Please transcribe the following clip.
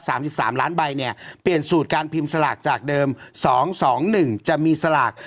สามสิบสามล้านใบเนี่ยเปลี่ยนสูตรการพิมพ์สลากจากเดิมสองสองหนึ่งจะมีสลาก